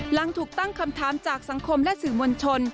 หลังถูกตั้งคำถามจากสังคมและสื่อมวลชน